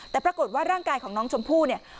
แต่ปรากฏว่าร่างกายของน้องชมพู่เนี่ย